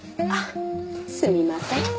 ああすみません。